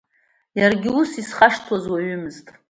Иаргьы ус изхашҭуаз уаҩымызт.